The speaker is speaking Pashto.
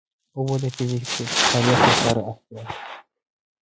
اوبه د فزیکي فعالیت لپاره اړتیا ده